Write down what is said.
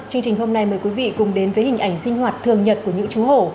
chương trình hôm nay mời quý vị cùng đến với hình ảnh sinh hoạt thường nhật của những chú hổ